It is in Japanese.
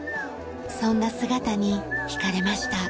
そんな姿に引かれました。